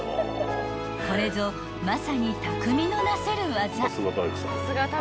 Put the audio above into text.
［これぞまさに匠のなせる業］